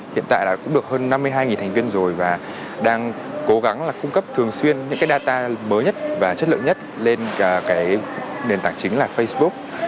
hiện tại là cũng được hơn năm mươi hai thành viên rồi và đang cố gắng là cung cấp thường xuyên những cái data mới nhất và chất lượng nhất lên cái nền tảng chính là facebook